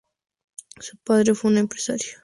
Su padre fue un empresario.